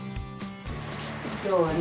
今日はね。